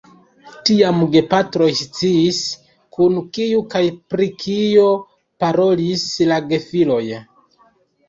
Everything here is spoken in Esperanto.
Tiam gepatroj sciis, kun kiu kaj pri kio parolis la gefiloj.